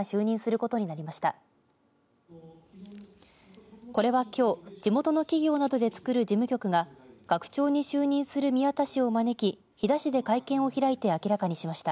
これは、きょう地元の企業などでつくる事務局が、学長に就任する宮田氏を招き飛騨市で会見を開いて明らかにしました。